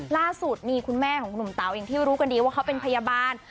ล่าสุดมีคุณแม่ของหนุ่มเต๋าอย่างที่รู้กันดีว่าเขาเป็นพยาบาล